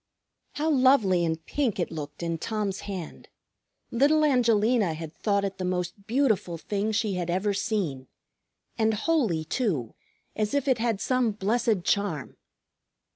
How lovely and pink it looked in Tom's hand! Little Angelina had thought it the most beautiful thing she had ever seen, and holy, too, as if it had some blessed charm.